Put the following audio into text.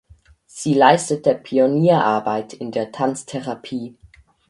Sie leistete Pionierarbeit in der Tanztherapie.